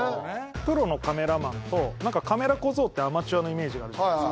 プロのカメラマンとカメラ小僧ってアマチュアのイメージがあるじゃないですか